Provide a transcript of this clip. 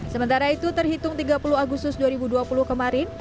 sementara itu terhitung tiga puluh agustus dua ribu dua puluh kemarin